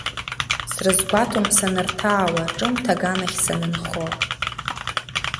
Срызгәаҭом санырҭаауа, ҿымҭ аганахь санынхо.